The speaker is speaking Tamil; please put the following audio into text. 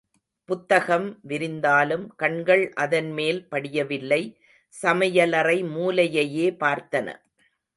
புத்தகம் விரிந்தாலும், கண்கள் அதன் மேல் படியவில்லை, சமையலறை மூலையையே பார்த்தன.